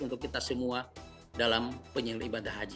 untuk kita semua dalam penyelibatan haji